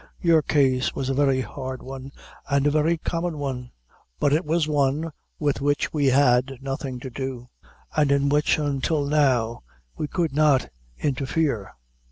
Your case was a very hard one, and a very common one; but it was one with which we had nothing to do, and in which, until now, we could not interfere.